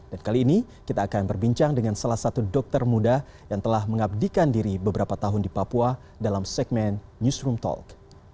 dan kali ini kita akan berbincang dengan salah satu dokter muda yang telah mengabdikan diri beberapa tahun di papua dalam segmen newsroom talk